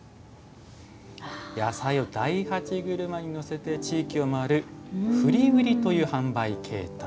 野菜を大八車に乗せて地域を回る振り売りという販売形態。